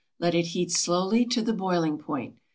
Let it heat slowly to the boiling point.